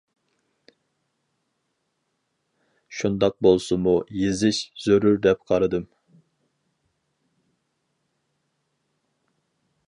شۇنداق بولسىمۇ يېزىش زۆرۈر دەپ قارىدىم.